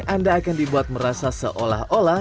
anda akan dibuat merasa seolah olah